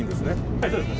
はいそうですね。